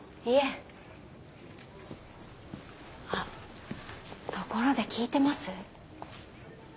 あっところで聞いてます？